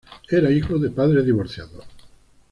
Era el hijo de padres divorciados.